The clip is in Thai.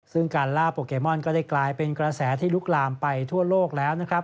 ซึ่งการล่าโปเกมอนก็ได้กลายเป็นกระแสที่ลุกลามไปทั่วโลกแล้วนะครับ